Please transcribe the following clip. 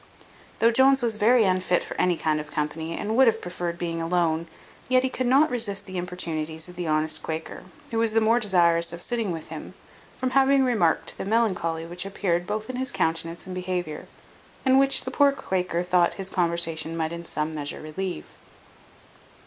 Though Jones was very unfit for any kind of company, and would have preferred being alone, yet he could not resist the importunities of the honest Quaker; who was the more desirous of sitting with him, from having remarked the melancholy which appeared both in his countenance and behaviour; and which the poor Quaker thought his conversation might in some measure relieve.